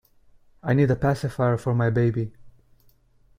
I need a pacifier for my baby.